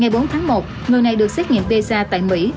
và được xét nghiệm pesa tại mỹ